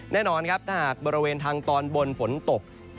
แน่นอนครับถ้าหากบริเวณทางตอนบนฝนตก